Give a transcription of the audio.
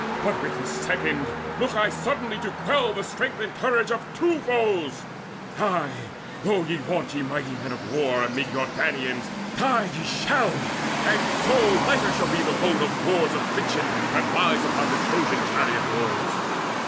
But with this second look I suddenly To quell the strength and courage of two foes, Ay, though ye vaunt you mighty men of war Amid your Danaans! Die ye shall, and so Lighter shall be the load of war's affliction That lies upon the Trojan chariot lords.